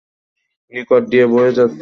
নিকট দিয়ে বয়ে যাচ্ছিল একটি ঝর্ণা আপন মনে।